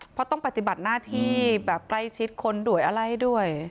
เพราะต้องปฏิบัติหน้าที่แบบใกล้ชิดคนด้วยอะไรด้วย